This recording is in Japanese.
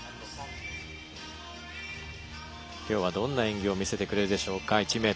今日はどんな演技を見せてくれるでしょうか。